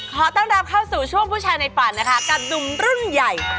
ขอต้อนรับเข้าสู่ช่วงผู้ชายในฝันนะคะกับหนุ่มรุ่นใหญ่